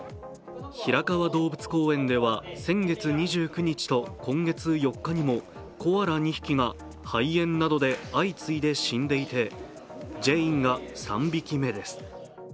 平川動物公園では先月２９日と今月４日にもコアラ２匹が肺炎などで相次いで死んでいて、ジェインが３匹目です。